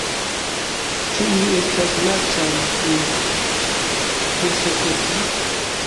Ĉu ili estas lacaj, min persekuti?